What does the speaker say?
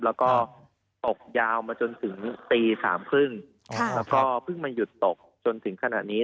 แล้วก็ตกยาวมาจนอยู่ถึงตรีสามครึ่งแล้วก็เพิ่งมาหยุดตกถึงขณะนี้